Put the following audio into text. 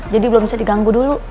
jadi belum bisa diganggu dulu